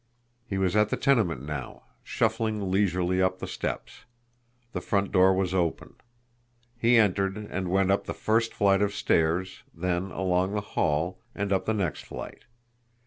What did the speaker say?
He was at the tenement now shuffling leisurely up the steps. The front door was open. He entered, and went up the first flight of stairs, then along the hall, and up the next flight.